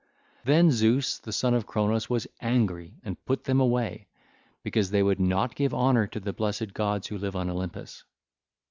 Then Zeus the son of Cronos was angry and put them away, because they would not give honour to the blessed gods who live on Olympus.